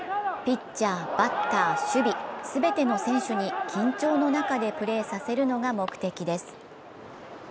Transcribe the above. ピッチャー、バッター、守備、全ての選手に緊張の中でプレーさせるのが目的です。